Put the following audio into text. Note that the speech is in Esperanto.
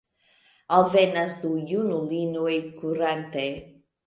Alvenas du junulinoj kurante.